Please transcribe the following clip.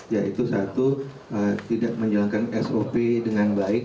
yaitu satu tidak menjalankan sop dengan baik